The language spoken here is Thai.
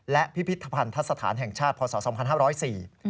และพิพิธภัณฑ์ทัศนฐานแห่งชาติพศ๒๕๐๔